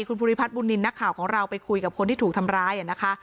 คุณภูริพัฒนบุญนินทร์นักข่าวของเราไปคุยกับคนที่ถูกทำร้ายนะคะ